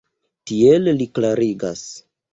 Tiel li klarigas.